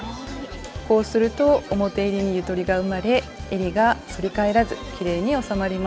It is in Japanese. こうすると表えりにゆとりが生まれえりが反り返らずきれいに収まります。